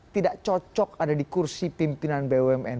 tidak cocok ada di kursi pimpinan bumn